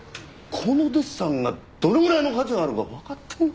このデッサンがどのぐらいの価値があるかわかってるのか？